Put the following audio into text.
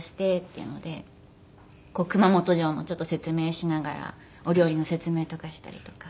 熊本城のちょっと説明しながらお料理の説明とかしたりとか。